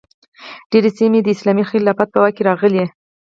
ډیرې سیمې د اسلامي خلافت په واک کې راغلې.